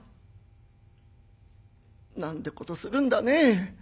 「なんてことするんだね。